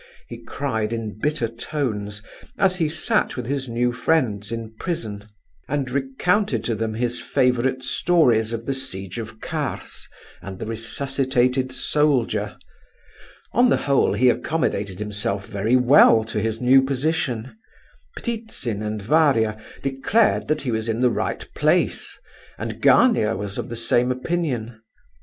he cried in bitter tones, as he sat with his new friends in prison, and recounted to them his favourite stories of the siege of Kars, and the resuscitated soldier. On the whole, he accommodated himself very well to his new position. Ptitsin and Varia declared that he was in the right place, and Gania was of the same opinion.